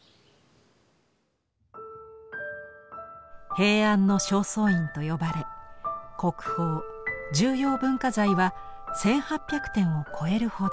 「平安の正倉院」と呼ばれ国宝・重要文化財は１，８００点を超えるほど。